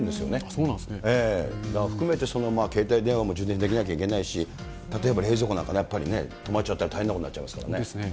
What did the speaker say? それを含めて携帯電話も充電できなきゃいけないし、例えば冷蔵庫なんか、止まっちゃったら大変なことになっちゃいますからね。ですね。